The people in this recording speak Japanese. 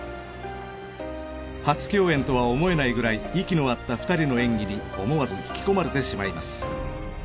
初共演とは思えないくらい息の合った２人の演技に思わず引き込まれてしまいます。